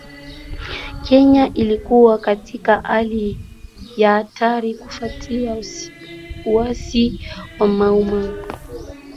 Kenya ilikuwa katika hali ya hatari kufuatia uasi wa Mau Mau